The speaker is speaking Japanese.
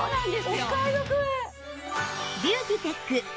お買い得！